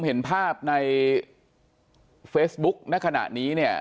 เห็นภาพในเฟซบุ๊กณขณะนี้เนี่ย